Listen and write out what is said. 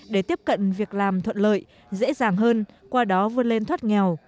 để tiếp cận việc làm thuận lợi dễ dàng hơn qua đó vươn lên thoát nghèo